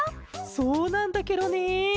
そうなんだケロね。